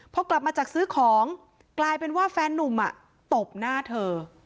พอกลับมาจากซื้อของกลายเป็นว่าแฟนนุ่มตบหน้าเธอ